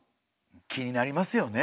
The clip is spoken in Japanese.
気になりますよね？